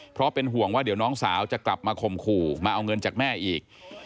เพราะเป็นห่วงว่าเดี๋ยวน้องสาวจะกลับมาข่มขู่มาเอาเงินจากแม่อีก